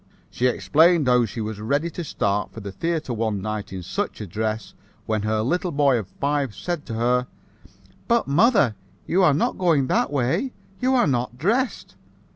"She explained how she was ready to start for the theater one night in such a dress, when her little boy of five said to her, 'But, mother, you are not going that way? You are not dressed.'